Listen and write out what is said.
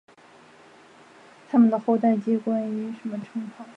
他们的后代皆冠以伦嫩贝格男爵或女男爵的称号。